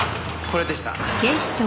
これでした。